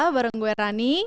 bareng gue rani